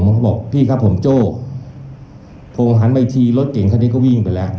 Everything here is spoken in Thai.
เขาบอกพี่ครับผมโจ้โทรหันมาอีกทีรถเก่งคันนี้ก็วิ่งไปแล้ว